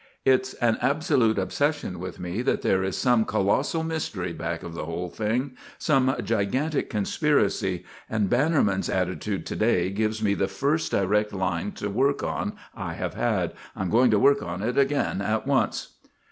It's an absolute obsession with me that there is some colossal mystery back of the whole thing; some gigantic conspiracy; and Bannerman's attitude to day gives me the first direct line to work on I have had. I am going to work on it again at once."